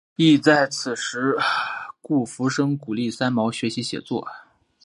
亦在此时顾福生鼓励三毛学习写作。